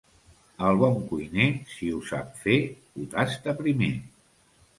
El bon cuiner, si ho sap fer, ho tasta primer.